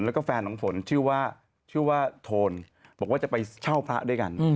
แล้วก็แฟนของฝนชื่อว่าชื่อว่าโทนบอกว่าจะไปเช่าพระด้วยกัน